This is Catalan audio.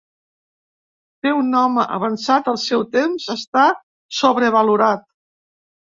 Ser un home avançat al seu temps està sobrevalorat.